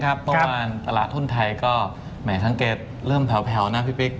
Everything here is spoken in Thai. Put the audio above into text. เมื่อวานตลาดทุนไทยก็แหมสังเกตเริ่มแผ่วนะพี่ปริก